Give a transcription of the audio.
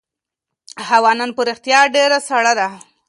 هوا نن په رښتیا ډېره سړه ده.